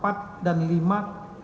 pasal empat dan lima